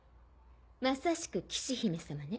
まさしく騎士姫様ね。